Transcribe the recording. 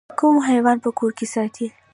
کوم حیوان په کور کې ساتئ؟